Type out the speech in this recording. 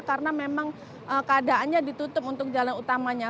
karena memang keadaannya ditutup untuk jalan utamanya